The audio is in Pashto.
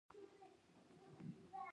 دوی د شرابو او تیلو لوښي لرل